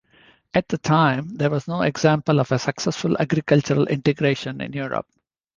At the time, there was no example of a successful agricultural integration in Europe.